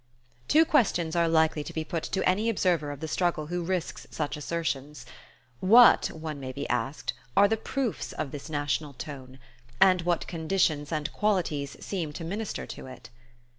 Two questions are likely to be put to any observer of the struggle who risks such assertions. What, one may be asked, are the proofs of this national tone? And what conditions and qualities seem to minister to it?